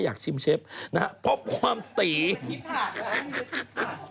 จากกระแสของละครกรุเปสันนิวาสนะฮะ